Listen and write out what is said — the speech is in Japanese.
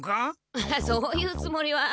そういうつもりは。